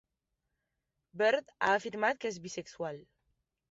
Byrd ha afirmat que és bisexual.